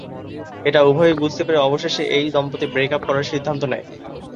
এটা উভয়েই বুঝতে পেরে অবশেষে এই দম্পতি ব্রেক আপ করার সিদ্ধান্ত নেয়।